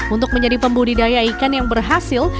untuk menjadi pembudidaya ikan yang berhasil